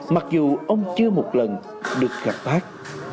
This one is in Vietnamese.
mặc dù ông chưa một lần được gặp bác